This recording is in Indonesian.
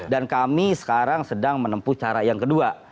dan kami sekarang sedang menempuh cara yang kedua